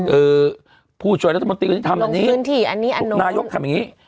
เอ่อผู้ช่วยรัฐมนตรีทำอันนี้พื้นที่อันนี้นายกทำอย่างนี้